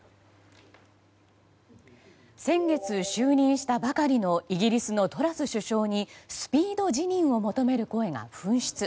先月就任したばかりのイギリスのトラス首相にスピード辞任を求める声が噴出。